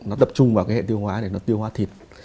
nó tập trung vào cái hệ tiêu hóa để nó tiêu hóa thịt